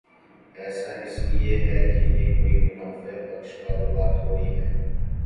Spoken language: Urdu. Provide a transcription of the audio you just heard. ایسا اس لئے ہے کہ یہ کوئی منافع بخش کاروبار تھوڑی ہے۔